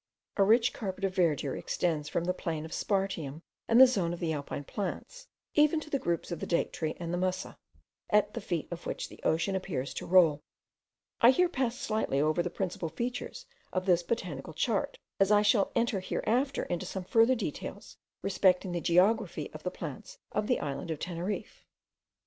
A rich carpet of verdure extends from the plain of spartium, and the zone of the alpine plants even to the groups of the date tree and the musa, at the feet of which the ocean appears to roll. I here pass slightly over the principal features of this botanical chart, as I shall enter hereafter into some farther details respecting the geography of the plants of the island of Teneriffe.